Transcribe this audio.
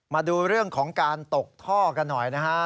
มาดูเรื่องของการตกท่อกันหน่อยนะฮะ